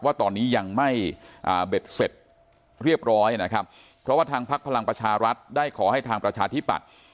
ว่าตอนนี้ยังไม่เบ็ดเสร็จเรียบร้อยนะครับเพราะว่าทางพักพลังประชารัฐได้ขอให้ทางประชาธิปัตย์